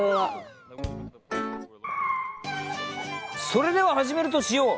それでは始めるとしよう！